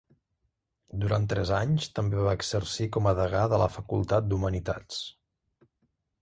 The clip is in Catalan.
Durant tres anys, també va exercir com a degà de la Facultat d'Humanitats.